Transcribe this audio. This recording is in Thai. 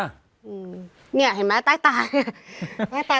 เนี่ยเห็นมั้ยตายตาย